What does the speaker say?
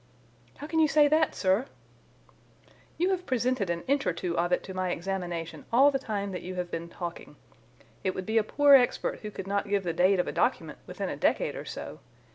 "How can you say that, sir?" "You have presented an inch or two of it to my examination all the time that you have been talking. It would be a poor expert who could not give the date of a document within a decade or so.